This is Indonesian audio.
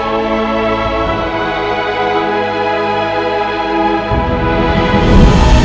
aduh lupa lagi mau kasih tau ke papa